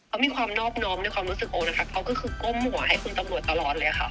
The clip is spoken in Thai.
เขามีความนอบน้อมในความรู้สึกโอนะคะเขาก็คือก้มหัวให้คุณตำรวจตลอดเลยค่ะ